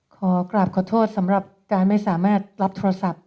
ขอกราบขอโทษสำหรับการไม่สามารถรับโทรศัพท์